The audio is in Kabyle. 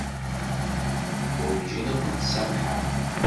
Werǧin ad kent-samḥeɣ.